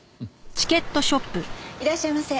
いらっしゃいませ。